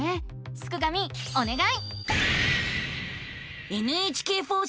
すくがミおねがい！